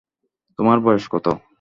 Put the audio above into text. তোমার বয়স কত?